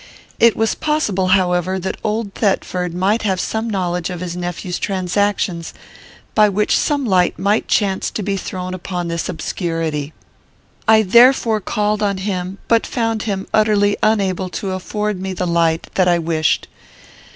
It was possible, however, that old Thetford might have some knowledge of his nephew's transactions, by which some light might chance to be thrown upon this obscurity. I therefore called on him, but found him utterly unable to afford me the light that I wished.